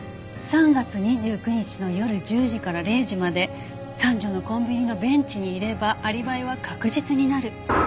「３月２９日の夜１０時から０時まで三条のコンビニのベンチにいればアリバイは確実になる」